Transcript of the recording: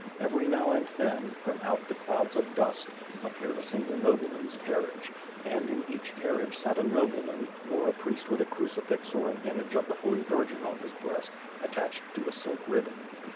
Every now and then, from out the clouds of dust, appeared a single nobleman's carriage, and in each carriage sat a noblema n, or a priest with a cru cifix or an image of the Holy Virgin on his breast, attached to a silk ribbon.